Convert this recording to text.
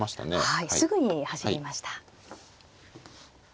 はいすぐに走りました。